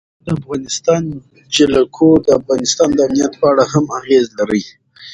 د افغانستان جلکو د افغانستان د امنیت په اړه هم اغېز لري.